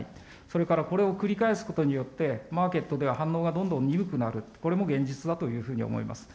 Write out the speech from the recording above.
それからこれを繰り返すことによって、マーケットでは反応がどんどん鈍くなる、これも現実だというふうに思います。